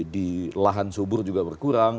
di lahan subur juga berkurang